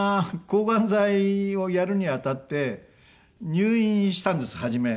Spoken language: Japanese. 抗がん剤をやるにあたって入院したんです初め。